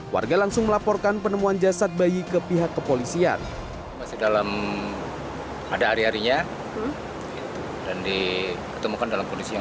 warga langsung melaporkan penemuan jasad bayi ke pihak kepolisian